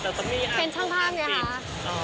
แต่จะมีอาทิตย์เป็นช่างภาพไงฮะ